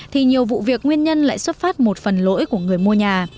thì nhiều vụ việc nguyên nhân lại xuất phát một phần lỗi của người mua nhà